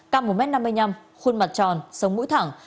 cao một m năm mươi năm khuôn mặt tròn sống mũi thẳng